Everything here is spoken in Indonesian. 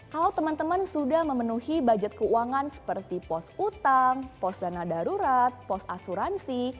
kalau teman teman sudah memenuhi budget keuangan seperti pos utang pos dana darurat pos asuransi